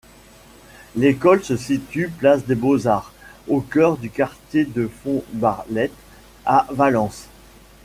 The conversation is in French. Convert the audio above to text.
L'école se situe place des Beaux-Arts, au cœur du quartier de Fontbarlettes, à Valence.